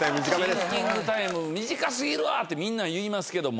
シンキングタイム短すぎるわってみんな言いますけども。